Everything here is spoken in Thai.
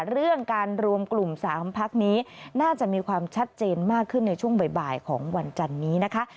เรื่องการรวมกลุ่ม๓พักนี้น่าจะมีความชัดเจนมากขึ้นในช่วงบ่ายของวันจันนี้นะคะ